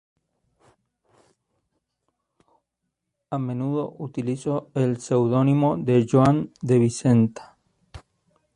A menudo utilizó el pseudónimo de Joan de Vicenta.